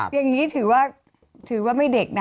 อย่างนี้ถือว่าไม่เด็กนะ